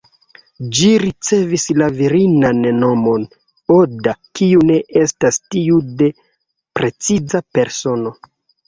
Ĝi ricevis la virinan nomon ""Oda"", kiu ne estas tiu de preciza persono.